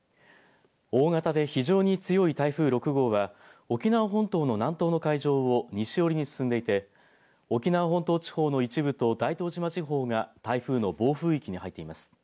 大型で非常に強い台風６号は沖縄本島の南東の海上を西寄りに進んでいて沖縄本島地方の一部と大東島地方が台風の暴風域に入っています。